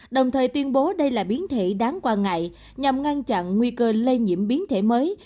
đồng thời tuyên bố đây là biến thể đáng quan ngại nhằm ngăn chặn nguy cơ lây nhiễm biến thể mới